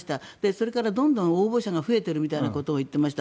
それからどんどん応募者が増えているということも言っていました。